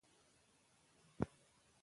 موږ به ژبه وساتو.